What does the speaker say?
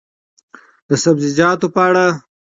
د سبزیجاتو په اړه: